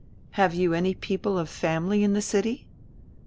Have you any people of family in the city?"